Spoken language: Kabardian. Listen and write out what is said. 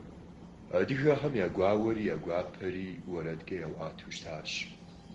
Адыгэхэм я гуауэри, я гуапэри уэрэдкӀэ яӀуатэу щытащ.